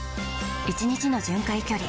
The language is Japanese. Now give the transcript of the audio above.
１日の巡回距離